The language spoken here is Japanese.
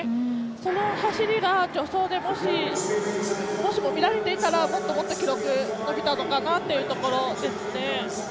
その走りが助走でもしも見られていたらもっともっと記録伸びていたのかなというところですね。